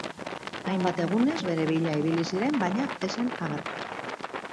Hainbat egunez bere bila ibili ziren baina ez zen agertu.